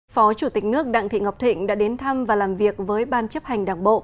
phó chủ tịch nước đặng thị ngọc thịnh đã đến thăm và làm việc với ban chấp hành đảng bộ